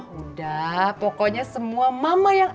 udah pokoknya semua mama yang